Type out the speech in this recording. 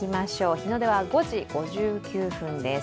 日の出は５時５９分です。